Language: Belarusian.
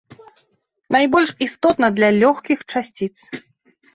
Найбольш істотна для лёгкіх часціц.